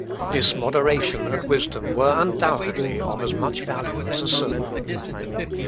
This moderation and wisdom were undoubtedly of as much value as a sermon.